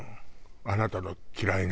あなたの嫌いな。